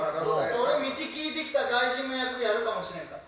俺道聞いてきた外国人の役やるかもしれんから。